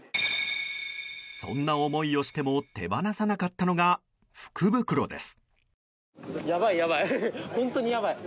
そんな思いをしても手放さなかったのが福袋です。